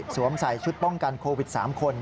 ใส่ชุดป้องกันโควิด๓คน